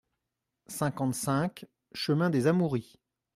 cinquante-cinq chemin des Amouries